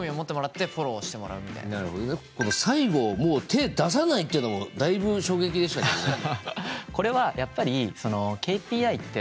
最後もう手出さないっていうのもだいぶ衝撃でしたけどね。